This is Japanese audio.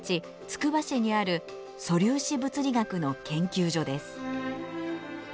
つくば市にある素粒子物理学の研究所です。